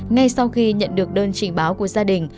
ngay sau khi nhận được đơn trình báo của gia đình